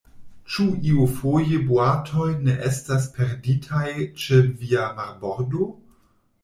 Ĉu iafoje boatoj ne estas perditaj ĉe via marbordo?